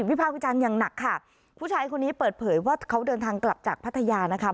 ภาควิจารณ์อย่างหนักค่ะผู้ชายคนนี้เปิดเผยว่าเขาเดินทางกลับจากพัทยานะคะ